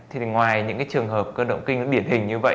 thì ngoài những trường hợp cơn động kinh biển hình như vậy